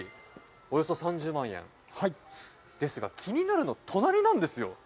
およそ３０万円ですが気になるのが隣なんですよ。